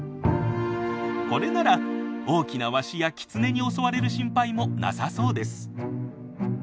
これなら大きなワシやキツネに襲われる心配もなさそうです。